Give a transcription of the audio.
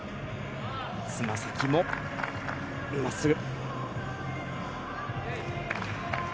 つま先もまっすぐ。